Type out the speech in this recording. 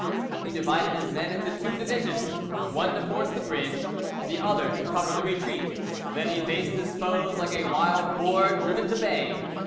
He divided his men into two divisions, one to force the bridge, the other to cover the retreat. Then he faced his foes like a wild boar driven to bay.